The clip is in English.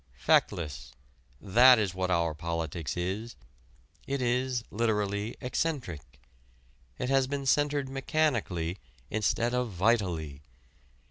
Feckless that is what our politics is. It is literally eccentric: it has been centered mechanically instead of vitally.